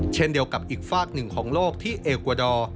เช่นเดียวกับอีกฝากหนึ่งของโลกที่เอกวาดอร์